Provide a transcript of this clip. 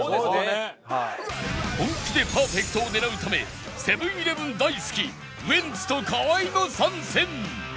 本気でパーフェクトを狙うためセブン−イレブン大好きウエンツと河合も参戦！